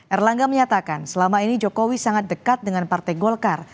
erlangga menyatakan selama ini jokowi sangat dekat dengan partai golkar